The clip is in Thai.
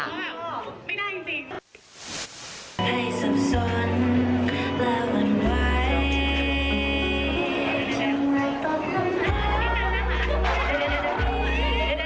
ไม่ได้จริง